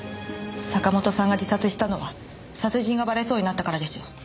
坂本さんが自殺したのは殺人がバレそうになったからでしょ？